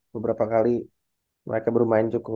beberapa kali mereka bermain cukup